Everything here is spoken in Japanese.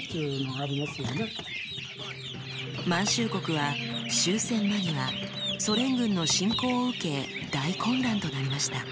満州国は終戦間際ソ連軍の侵攻を受け大混乱となりました。